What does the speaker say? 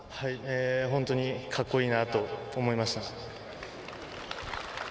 本当にかっこいいなと思いました。